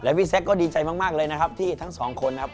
พี่แซ็กก็ดีใจมากเลยนะครับที่ทั้งสองคนนะครับ